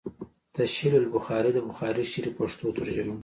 “ تشعيل البخاري” َد بخاري شريف پښتو ترجمه